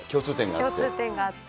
共通点があって。